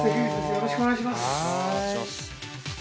よろしくお願いします